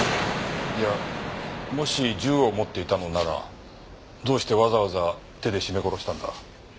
じゃあもし銃を持っていたのならどうしてわざわざ手で絞め殺したんだ？